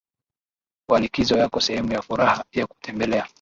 wa likizo yako Sehemu ya furaha ya kutembelea